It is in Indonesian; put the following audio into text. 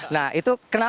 nah itu kenapa